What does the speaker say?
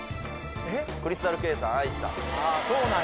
クリスタルケイさんＡＩさん